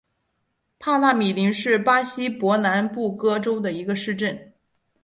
帕纳米林是巴西伯南布哥州的一个市镇。